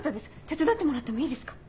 手伝ってもらってもいいですか？